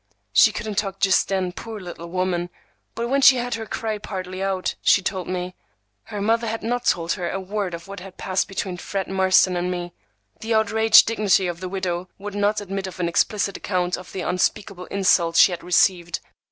She couldn't talk just then, poor little woman! But when she had had her cry partly out, she told me. Her mother had not told her a word of what had passed between Fred Marston and me! The outraged dignity of the widow would not admit of an explicit account of the unspeakable insult she had received.